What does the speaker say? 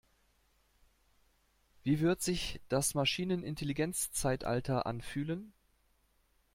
Wie wird sich das Maschinenintelligenzzeitalter anfühlen?